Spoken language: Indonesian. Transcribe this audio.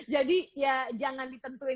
jadi ya jangan ditentuin